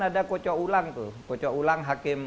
ada kocok ulang tuh kocok ulang hakim